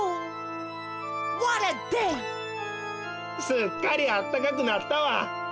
すっかりあったかくなったわ！